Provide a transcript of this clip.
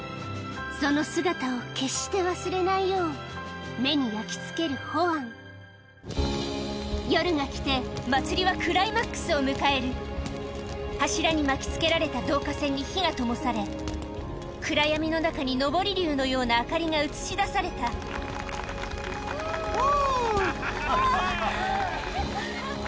その姿を決して忘れないよう目に焼き付けるホアン夜が来て祭りはクライマックスを迎える柱に巻きつけられた導火線に火がともされ暗闇の中に昇り竜のような明かりが映し出されたでも。